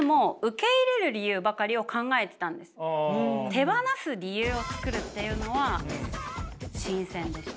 手放す理由を作るっていうのは新鮮でした。